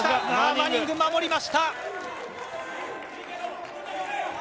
マニング守りました！